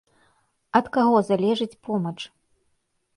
Ад каго залежыць помач?